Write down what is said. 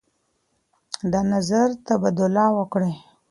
د نظر تبادله وکړئ.